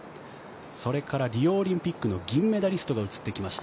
それからリオオリンピックの銀メダリストが映ってきました。